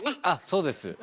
あそうです。